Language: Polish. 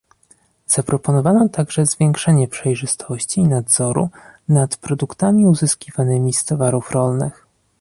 Zaproponowano także zwiększenie przejrzystości i nadzoru nad produktami uzyskiwanymi z towarów rolnych